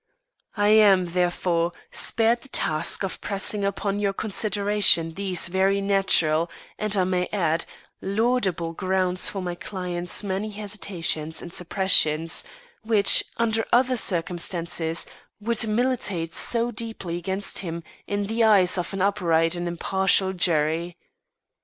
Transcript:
"I am, therefore, spared the task of pressing upon your consideration these very natural and, I may add, laudable grounds for my client's many hesitations and suppressions which, under other circumstances, would militate so deeply against him in the eyes of an upright and impartial jury.